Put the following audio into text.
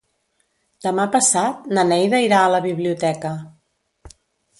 Demà passat na Neida irà a la biblioteca.